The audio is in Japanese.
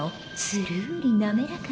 つるーり滑らか。